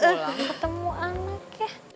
ketemu anak ya